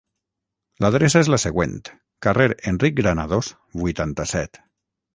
L'adreça és la següent: carrer Enric Granados vuitanta-set.